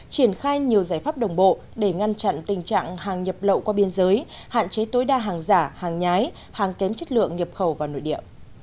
triển khai nhiều giải pháp đồng bộ để ngăn chặn tình trạng hàng nhập lậu qua biên giới hạn chế tối đa hàng giả hàng nhái hàng kém chất lượng nhập khẩu vào nội địa